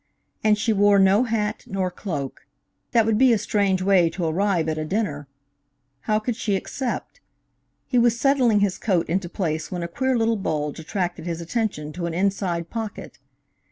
And she wore no hat, nor cloak. That would be a strange way to arrive at a dinner. How could she accept? He was settling his coat into place when a queer little bulge attracted his attention to an inside pocket.